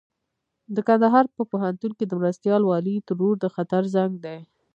د کندهار په پوهنتون کې د مرستيال والي ترور د خطر زنګ دی.